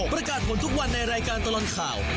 ประกาศผลทุกวันในรายการตลอดข่าว